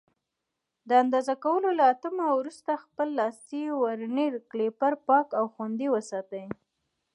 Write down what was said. د اندازه کولو له اتمامه وروسته خپل لاسي ورنیر کالیپر پاک او خوندي وساتئ.